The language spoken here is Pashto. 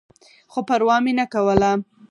خو پروا مې نه کوله.